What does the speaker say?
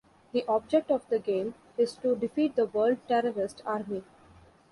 The object of the game is to defeat the World Terrorist Army.